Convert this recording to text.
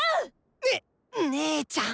ねっ姉ちゃん！